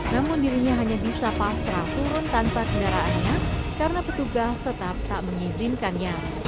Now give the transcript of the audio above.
namun dirinya hanya bisa pasrah turun tanpa kendaraannya karena petugas tetap tak mengizinkannya